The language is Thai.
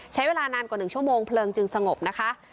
ใช้เวลานานกว่า๑ชั่วโมงเพลิงจึงสงบนะคะ